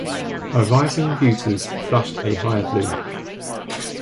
Her rising beauties flushed a higher bloom.